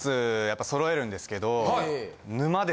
やっぱ揃えるんですけど。